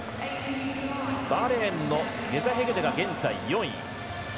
バーレーンのゲザヘグネが現在４位。